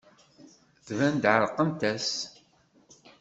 Tban-d ɛerqent-as.